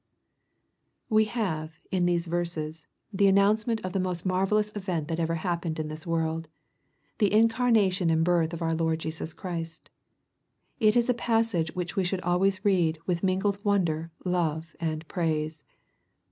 We have, in these verses, the announcement of the most marvellous event that ever happened in this world, — the incarnation and birth of our Lord Jesus Christ. It is a passage which we should always read with min gled wondei", love and praise.